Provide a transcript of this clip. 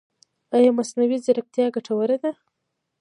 ایا مصنوعي ځیرکتیا ګټوره ده؟